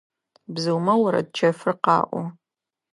Бзыумэ орэд чэфыр къаӀо.